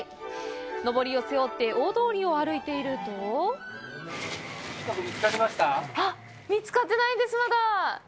のぼりを背負って大通りを歩いていると見つかってないんです、まだ。